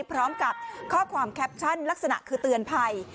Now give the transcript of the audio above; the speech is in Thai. พร้อมกับข้อความแคปชั่นลักษณะคือเตือนภัย